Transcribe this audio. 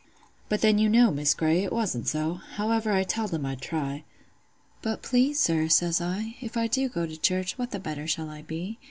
"But then, you know, Miss Grey, it wasn't so. However, I telled him I'd try. 'But please, sir,' says I, 'if I do go to church, what the better shall I be?